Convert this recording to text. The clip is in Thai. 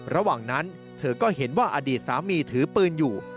ระหว่างนั้นเธอก็เห็นว่าอดีตสามีถือปืนอยู่